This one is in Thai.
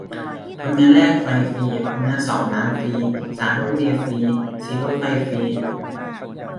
ผลงานแรก ไฟฟรี ผลงานสอง น้ำฟรี สาม รถเมล์ฟรี สี่ รถไฟฟรี